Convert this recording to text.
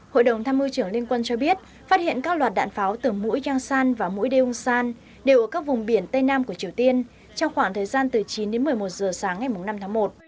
hội đồng tham mưu trưởng liên quân cho biết phát hiện các loạt đạn pháo từ mũi yangsan và mũi daewsan đều ở các vùng biển tây nam của triều tiên trong khoảng thời gian từ chín đến một mươi một giờ sáng ngày năm tháng một